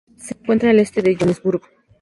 Se encuentra al este de Johannesburgo.